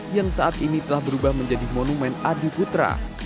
yang saat ini telah berubah menjadi monumen adu putra